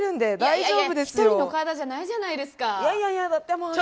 いやいや、１人の体じゃないじゃないですか。